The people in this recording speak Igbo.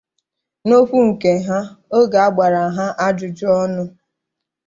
N'okwu nke ha oge a gbara ha ajụjụọnụ